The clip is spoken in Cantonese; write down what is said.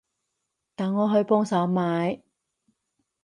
等我去幫手買